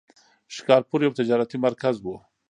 شکارپور یو تجارتي مرکز و.